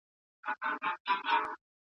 د خاورې ځينې برخې يې له ځان سره ضميمه کړې.